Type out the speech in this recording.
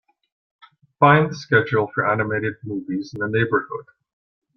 Find the schedule for animated movies in the neighbourhood.